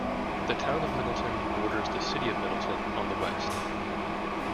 The Town of Middleton borders the City of Middleton on the west.